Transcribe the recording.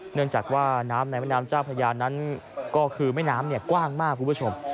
เนื่องจากว่าน้ำในแม่น้ำเจ้าพญานั้นก็คือแม่น้ำกว้างมากคุณผู้ชม